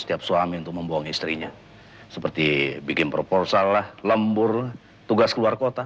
setiap suami untuk membuang istrinya seperti bikin proposal lah lembur tugas keluar kota